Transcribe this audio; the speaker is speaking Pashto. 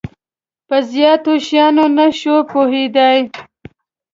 په زیاتو شیانو نه شو پوهیدای.